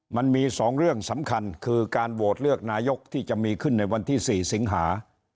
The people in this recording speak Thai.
มันมี๒เรื่องสำคัญคือการโหวตเลือกนายกที่จะมีขึ้นในวันที่๔สิงหา